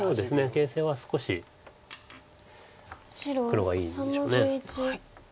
形勢は少し黒がいいでしょう。